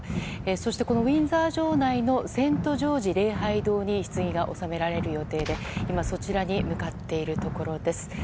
そしてこのウィンザー城内のセント・ジョージ礼拝堂にひつぎが納められる予定で今そちらに向かっているところです。